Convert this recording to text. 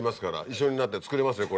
一緒になって作りますよ